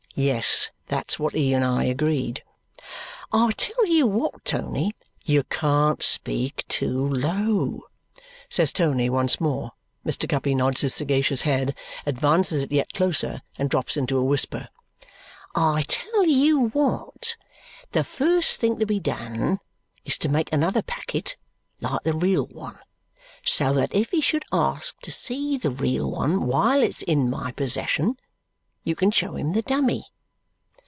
Yes. That's what he and I agreed." "I tell you what, Tony " "You can't speak too low," says Tony once more. Mr. Guppy nods his sagacious head, advances it yet closer, and drops into a whisper. "I tell you what. The first thing to be done is to make another packet like the real one so that if he should ask to see the real one while it's in my possession, you can show him the dummy."